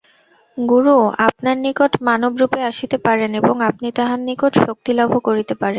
গুরু আপনার নিকট মানবরূপে আসিতে পারেন এবং আপনি তাঁহার নিকট শক্তিলাভও করিতে পারেন।